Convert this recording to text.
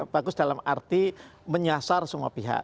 bagus dalam arti menyasar semua pihak